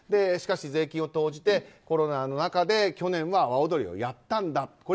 しかし税金を投じてコロナの中で去年は阿波おどりをやったんだと。